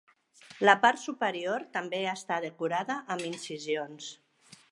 La part superior també està decorada amb incisions.